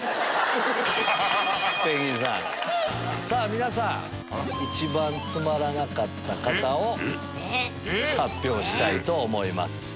さぁ皆さん一番つまらなかった方を発表したいと思います。